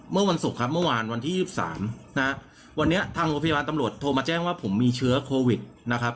เมื่อวันศุกร์ครับเมื่อวานวันที่๒๓นะฮะวันนี้ทางโรงพยาบาลตำรวจโทรมาแจ้งว่าผมมีเชื้อโควิดนะครับ